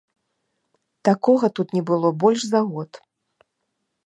Такога тут не было больш за год.